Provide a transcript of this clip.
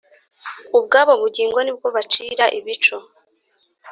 ubwabo bugingo ni bwo bacira ibico